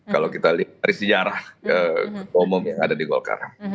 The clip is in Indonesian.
kalau kita lihat dari sejarah ketua umum yang ada di golkar